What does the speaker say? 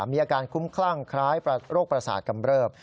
มีอาการคุ้มคลั่งคล้ายประโรคประสาทกำเริบ